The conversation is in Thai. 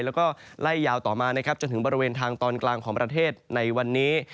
แล้วก็ไล่ยาวต่อมานะครับจนถึงบริเวณทางตอนกลางของประเทศในวันนี้